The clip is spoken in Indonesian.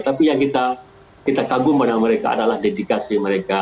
tapi yang kita kagum pada mereka adalah dedikasi mereka